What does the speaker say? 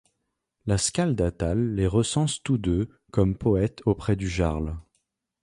La Skáldatal les recense tous deux comme poète auprès du jarl.